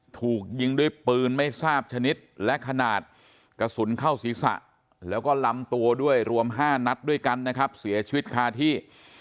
ถูกยิงด้วยปืนไม่ทราบชนิดและขนาดกระสุนเข้าศีรษะแล้วก็ลำตัวด้วยรวม๕นัดด้วยกันนะครับเสียชีวิตคาที่